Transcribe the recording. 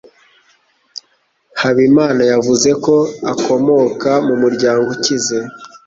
Habimana yavuze ko akomoka mu muryango ukize.